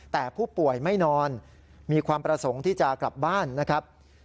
แต่ผู้ป่วยไม่นอนมีความประสงค์ที่จะกลับบ้านนะครับ